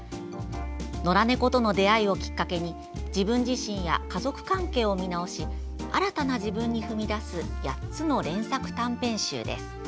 野良猫との出会いをきっかけに自分自身や家族関係を見直し新たな自分に踏み出す８つの連作短編集です。